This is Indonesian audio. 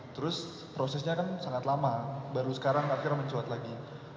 terus prosesnya kan sangat lama baru sekarang akhirnya mencuat lagi